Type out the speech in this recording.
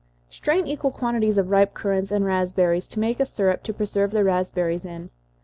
_ Strain equal quantities of ripe currants and raspberries, to make a syrup to preserve the raspberries in.